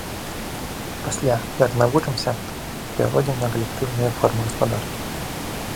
Пасля, як навучымся, пяройдзем на калектыўныя формы гаспадаркі.